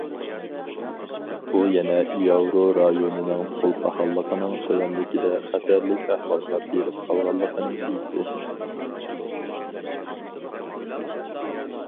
ئۇ يەنە ياۋرو رايونىنىڭ پۇل پاخاللىقىنىڭ تۆۋەنلىكىدە خەتەرلىك ئەھۋالغا بېرىپ قالغانلىقىنى ئېيتتى.